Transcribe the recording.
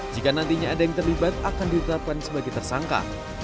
jika nantinya ada yang terlibat akan ditetapkan sebagai tersangka